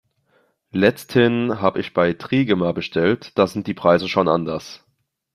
Letzthin habe ich bei Trigema bestellt, da sind die Preise schon anders.